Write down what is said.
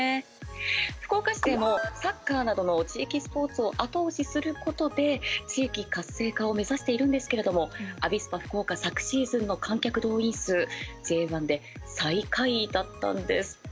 福岡市でもサッカーなどの地域スポーツを後押しすることで地域活性化を目指しているんですけれどもアビスパ福岡昨シーズンの観客動員数Ｊ１で最下位だったんです。